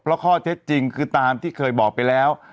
เพราะข้อเท็จจริงคือตามที่เคยบอกไปแล้ว